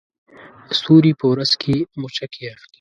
ستوري په ورځ کې مچکې اخلي